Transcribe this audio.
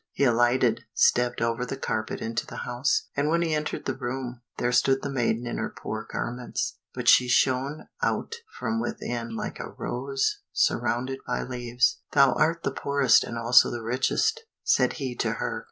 He alighted, stepped over the carpet into the house, and when he entered the room, there stood the maiden in her poor garments, but she shone out from within them like a rose surrounded by leaves. "Thou art the poorest and also the richest," said he to her.